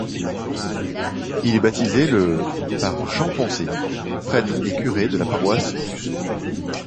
Il est baptisé le par Jean Poncet, prêtre et curé de la paroisse d'Usseaux.